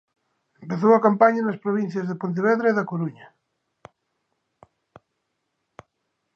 Empezou a campaña nas provincias de Pontevedra e da Coruña.